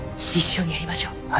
一緒にやりましょう。